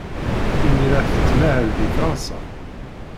Imir-a, tettmahal deg Fṛansa.